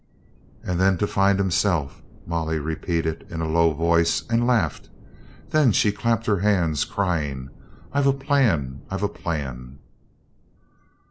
" 'And then to find himself,' " Molly repeated in a low voice, and laughed. Then she clapped her hands, crying, "I've a plan! I've a plan!"